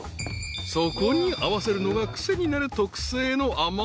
［そこに合わせるのが癖になる］